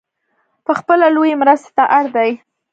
پخپله لویې مرستې ته اړ دی .